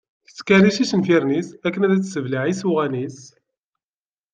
Tettkerric icenfiren-is akken ad tesseblaɛ isuɣan-is.